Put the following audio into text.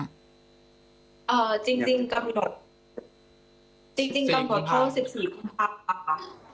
จริงกำหนดเท่า๑๔ค่ะ